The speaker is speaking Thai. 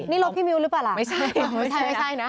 นี่รถพี่มิ้วหรือเปล่าล่ะไม่ใช่ไม่ใช่นะ